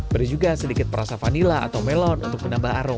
beri juga sedikit perasa vanila atau melon untuk menambah aroma